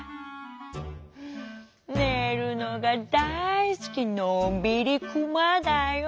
「ねるのがだいすきのんびりクマだよ。